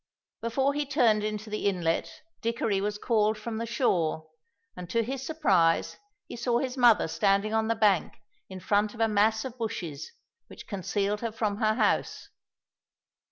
Before he turned into the inlet, Dickory was called from the shore, and to his surprise he saw his mother standing on the bank in front of a mass of bushes, which concealed her from her house.